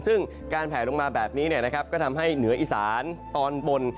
ซึ่งการแผลลงมาแบบนี้เนี่ยนะครับก็ทำให้เหนืออิสานตอนบน